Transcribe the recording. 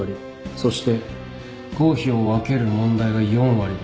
そして合否を分ける問題が４割だ。